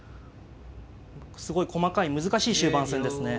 すごい細かい難しい終盤戦ですね。